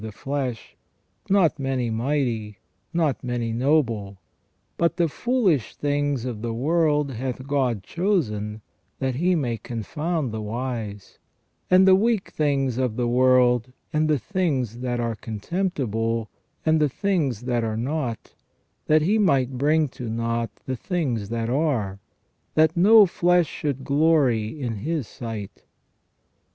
191 the flesh, not many mighty, not many noble : but the foolish things of the world hath God chosen, that He may confound the wise : and the weak things of the world, and the things that are contemptible, and the things that are not, that He might bring to nought the things that are : that no flesh should glory in His sight."